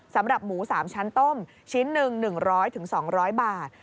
สำหรับหมู๓ชั้นต้มชิ้นหนึ่ง๑๐๐๒๐๐บาท